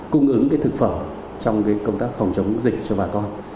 cung ứng cái thực phẩm trong cái công tác phòng chống dịch cho bà con